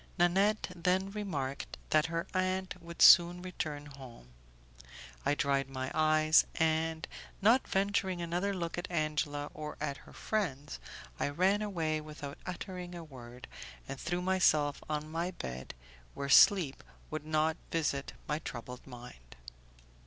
Nanette then remarked that her aunt would soon return home; I dried my eyes, and, not venturing another look at Angela or at her friends, I ran away without uttering a word, and threw myself on my bed, where sleep would not visit my troubled mind.